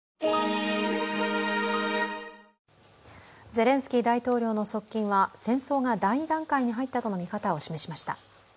ゼレンスキー大統領の側近は、戦争が第２段階に入ったとの見方を示しました。